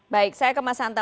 baik saya ke mas hanta